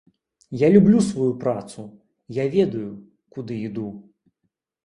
Я люблю сваю працу, я ведаў, куды іду.